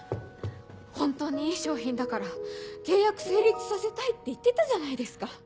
本当にいい商品だから契約成立させたいって言ってたじゃないですか。